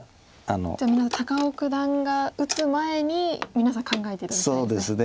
じゃあ高尾九段が打つ前に皆さん考えて頂きたいですね。